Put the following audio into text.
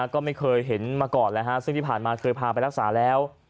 ก็ไม่เคยเห็นมาก่อนซึ่งที่ผ่านมาเคยพาไปรักษาแล้ว